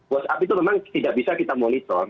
whatsapp itu memang tidak bisa kita monitor